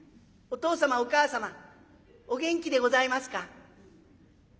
お父様お母様お元気でございますか。